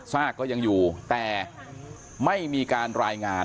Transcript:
ซากก็ยังอยู่แต่ไม่มีการรายงาน